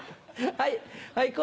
はい。